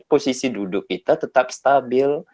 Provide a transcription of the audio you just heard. posisi duduk kita tetap stabil